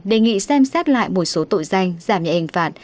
đề nghị xem xét lại một số tội danh giảm nhẹ hình phạt